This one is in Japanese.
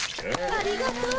ありがとう！